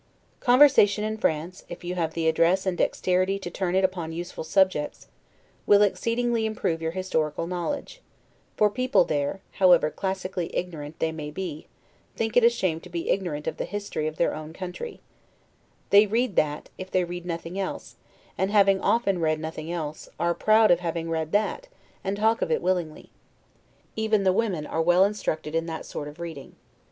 Conversation in France, if you have the address and dexterity to turn it upon useful subjects, will exceedingly improve your historical knowledge; for people there, however classically ignorant they may be, think it a shame to be ignorant of the history of their own country: they read that, if they read nothing else, and having often read nothing else, are proud of having read that, and talk of it willingly; even the women are well instructed in that sort of reading.